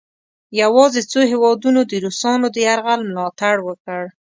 یواځې څو هیوادونو د روسانو د یرغل ملا تړ وکړ.